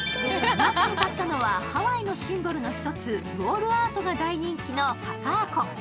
まず向かったのは、ハワイのシンボルの１つ、ウォールアートが大人気のカカアコ。